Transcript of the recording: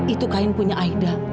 itu kain punya aida